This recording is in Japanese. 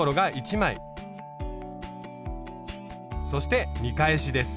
そして見返しです。